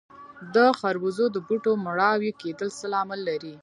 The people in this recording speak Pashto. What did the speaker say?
د خربوزو د بوټو مړاوي کیدل څه لامل لري؟